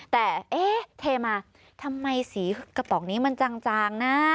แต่เอ๊ะเทมาทำไมสีกระป๋องนี้มันจางนะ